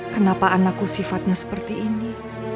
kenapa anakku sifatnya seperti ini